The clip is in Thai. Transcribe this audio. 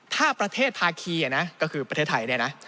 ถ้าประเทศภาคีนะก็คือประเทศไทยเนี่ยนะ